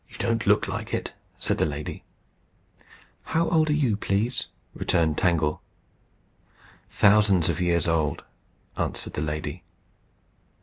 "You don't look like it," said the lady. "How old are you, please?" returned Tangle. "Thousands of years old," answered the lady.